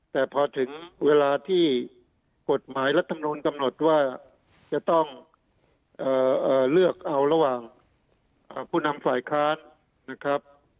แต่พอถึงเวลาที่กฎหมายรัฐมนุนกำหนดว่าจะต้องเลือกเอาระหว่างผู้นำฝ่ายค้านนะครับ